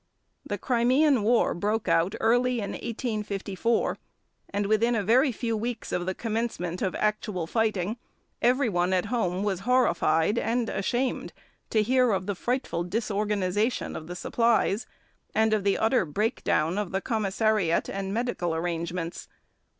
The Crimean war broke out early in 1854, and within a very few weeks of the commencement of actual fighting, every one at home was horrified and ashamed to hear of the frightful disorganisation of the supplies, and of the utter breakdown of the commissariat and medical arrangements.